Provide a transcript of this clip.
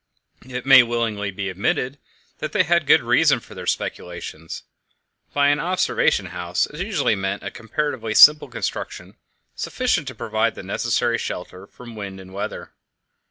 It may willingly be admitted that they had good reason for their speculations. By an observation house is usually meant a comparatively simple construction, sufficient to provide the necessary shelter from wind and weather.